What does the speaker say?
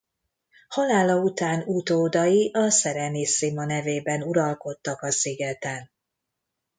Halála után utódai a Serenissima nevében uralkodtak a szigeten.